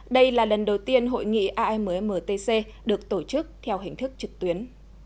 đây là lần đầu tiên hội nghị ammtc được tổ chức theo hình thức trực tuyến